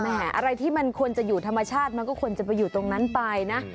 อะไรที่มันควรจะอยู่ธรรมชาติมันก็ควรจะไปอยู่ตรงนั้นไปนะ